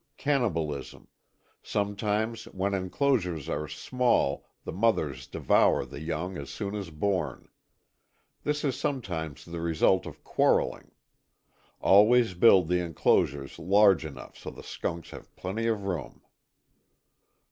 CannibalismŌĆöSometimes when enclosures are small the mothers devour the young as soon as born. This is sometimes the result of quarreling. Always build the enclosures large enough so the skunks have plenty of room.